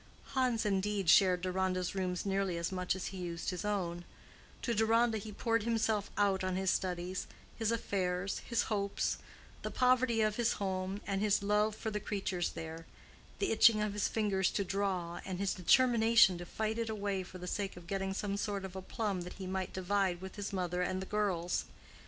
Hans, indeed, shared Deronda's rooms nearly as much as he used his own: to Deronda he poured himself out on his studies, his affairs, his hopes; the poverty of his home, and his love for the creatures there; the itching of his fingers to draw, and his determination to fight it away for the sake of getting some sort of a plum that he might divide with his mother and the girls.